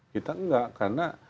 kita enggak karena